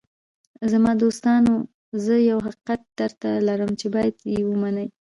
“زما دوستانو، زه یو حقیقت درته لرم چې باید یې ومنئ.